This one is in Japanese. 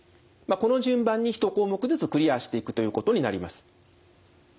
この順番に１項目ずつクリアしていくということになります。